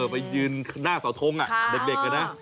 ไปยืนหน้าเสาทงเด็กนะ